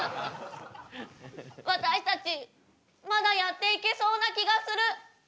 私たちまだやっていけそうな気がする。